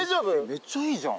めっちゃいいじゃん。